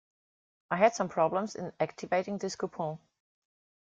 I had some problems in activating this coupon.